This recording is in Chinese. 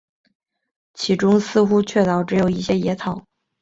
其中似乎确凿只有一些野草